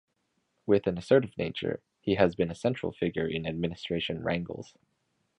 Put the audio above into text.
With an assertive nature he has been a central figure in administration wrangles.